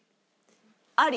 あり！